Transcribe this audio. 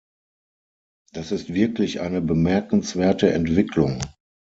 Das ist wirklich eine bemerkenswerte Entwicklung.